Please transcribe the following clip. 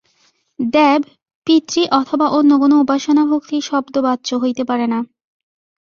দেব, পিতৃ অথবা অন্য কোন উপাসনা ভক্তি-শব্দবাচ্য হইতে পারে না।